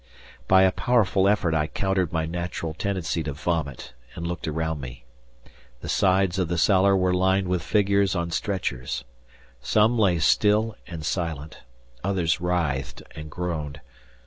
By a powerful effort I countered my natural tendency to vomit, and looked around me. The sides of the cellar were lined with figures on stretchers. Some lay still and silent, others writhed and groaned.